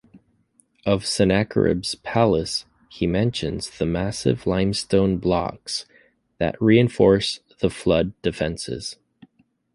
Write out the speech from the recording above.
Of Sennacherib's palace, he mentions the massive limestone blocks that reinforce the flood defences.